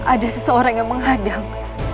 ada seseorang yang menghadang